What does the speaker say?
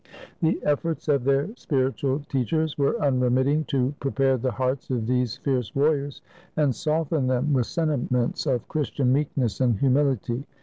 The efforts of their spiritual teachers were unremit ting to prepare the hearts of these fierce warriors and soften them with sentiments of Christian meekness and humiHty.